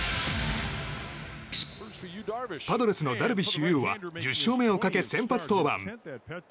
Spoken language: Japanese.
パドレスのダルビッシュ有は１０勝目をかけ先発登板。